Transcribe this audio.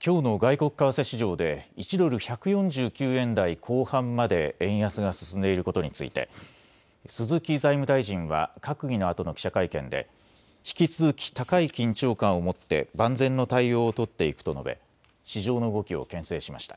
きょうの外国為替市場で１ドル１４９円台後半まで円安が進んでいることについて鈴木財務大臣は閣議のあとの記者会見で引き続き高い緊張感を持って万全の対応を取っていくと述べ市場の動きをけん制しました。